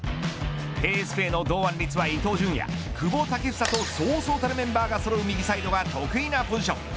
ＰＳＶの堂安律は伊東純也、久保建英とそうそうたるメンバーがそろう右サイドが得意なポジション。